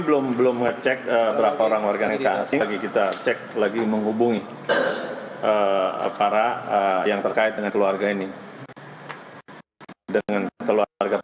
kami belum ngecek lagi menghuubungi para yang terkait dengan keluarga ini lagi kita cek lagi menghubungi para yang terkait dengan keluarga ini lagi kita cek lagi menghubungi para yang terkait dengan keluarga ini lagi kita cek lagi menghubungi para yang terkait dengan keluarga ini